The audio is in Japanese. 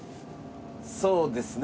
そうですね。